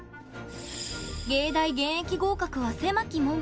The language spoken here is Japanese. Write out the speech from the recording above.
藝大現役合格は狭き門。